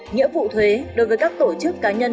nghĩa vụ thuế đối với các tổ chức cá nhân